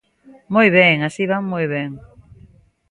¡Moi ben, así van moi ben!